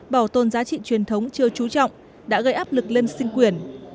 bảo tồn giá trị truyền thống chưa trú trọng đã gây áp lực lên sinh quyền